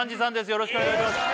よろしくお願いします